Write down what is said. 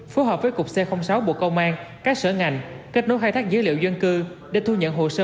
phù hợp với cục c sáu bộ công an các sở ngành kết nối khai thác dữ liệu dân cư để thu nhận hồ sơ